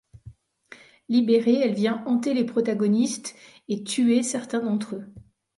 Libérée, elle vient hanter les protagonistes et tuer certains d'entre eux.